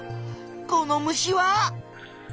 この虫は。